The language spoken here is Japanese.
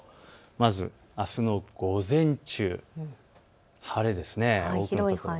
まずあすの午前中、晴れです。